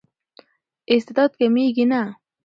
استعداد کمېږي نه.